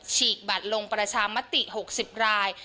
ฉีกบัตรลงประชามติ๖๐ราย